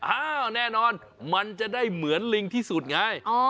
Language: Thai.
อ้าวแน่นอนมันจะได้เหมือนลิงที่สุดไง